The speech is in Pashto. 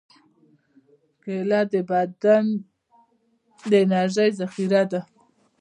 کېله د بدن د انرژۍ ذخیره ده.